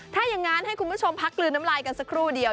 ถ้าอย่างนั้นให้คุณผู้ชมพักกลืนน้ำลายกันสักครู่เดียว